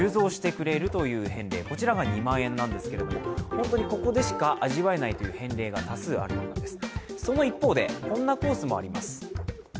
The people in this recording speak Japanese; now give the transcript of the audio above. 本当にここでしか味わえない返礼品が多数あるんです。